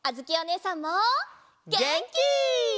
げんき！